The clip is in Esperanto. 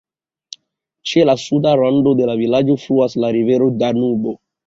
Ĉe la suda rando de la vilaĝo fluas la rivero Danubo.